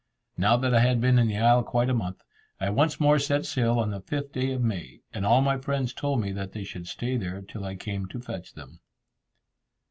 Now that I had been in the isle quite a month, I once more set sail on the fifth day of May; and all my friends told me that they should stay there till I came to fetch them.